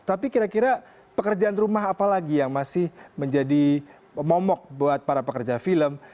tapi kira kira pekerjaan rumah apa lagi yang masih menjadi momok buat para pekerja film